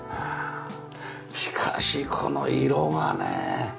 しかしこの色がね。